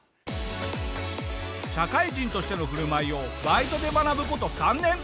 社会人としての振る舞いをバイトで学ぶ事３年。